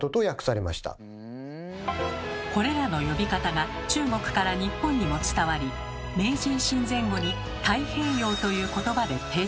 これらの呼び方が中国から日本にも伝わり明治維新前後に「太平洋」という言葉で定着。